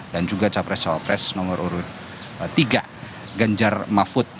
dan juga capres cawapres nomor tiga ganjar mahfud